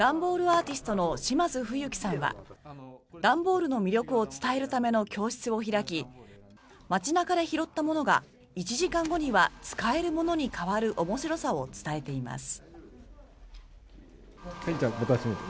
アーティストの島津冬樹さんは段ボールの魅力を伝えるための教室を開き街中で拾ったものが１時間後には使えるものに変わる面白さを伝えています。